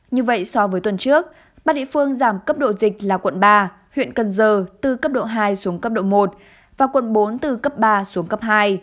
như vậy so với tuần trước ba địa phương giảm cấp độ dịch là quận ba huyện cần giờ từ cấp độ hai xuống cấp độ một và quận bốn từ cấp ba xuống cấp hai